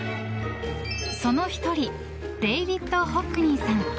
その１人デイビッド・ホックニーさん。